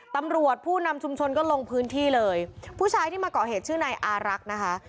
ตำรวจผู้นำชุมชนก็ลงพื้นที่เลยผู้ชายที่มาก่อเหตุชื่อนายอารักษ์นะคะ